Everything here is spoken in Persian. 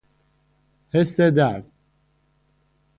حس درد